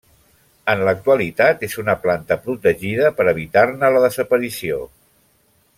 En l'actualitat és una planta protegida per evitar-ne la desaparició.